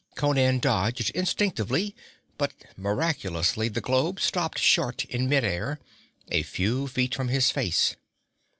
Conan dodged instinctively, but, miraculously, the globe stopped short in midair, a few feet from his face.